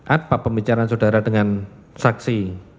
apa pembicaraan saudara dengan saksi